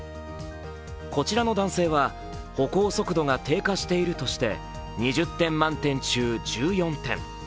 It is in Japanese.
こちらの男性は歩行速度が低下しているとして２０点満点中１４点。